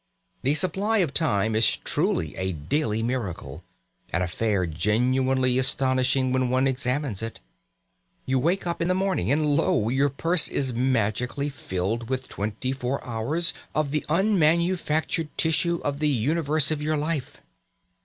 The supply of time is truly a daily miracle, an affair genuinely astonishing when one examines it. You wake up in the morning, and lo! your purse is magically filled with twenty four hours of the unmanufactured tissue of the universe of your life!